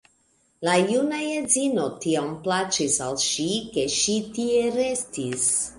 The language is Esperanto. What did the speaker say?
La juna edzino tiom plaĉis al ŝi, ke ŝi tie restis.